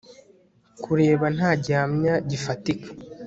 kubera nta gihamya gifatika